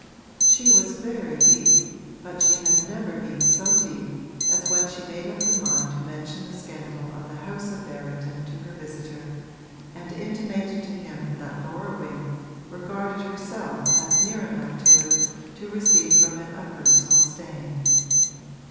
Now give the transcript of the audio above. She was very deep, but she had never been so deep as when she made up her mind to mention the scandal of the house of Berrington to her visitor and intimated to him that Laura Wing regarded herself as near enough to it to receive from it a personal stain.